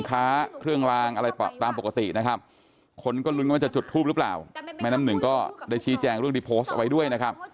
ค้าเครื่องลางอะไรตามปกตินะครับคนก็ลุ้นกันว่าจะจุดทูปหรือเปล่าแม่น้ำหนึ่งก็ได้ชี้แจงเรื่องที่โพสต์เอาไว้ด้วยนะครับ